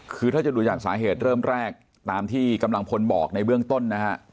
คือถ้าจะดูจากสาเหตุเริ่มแรกตามที่กำลังพลบอกในเบื้องต้นนะฮะ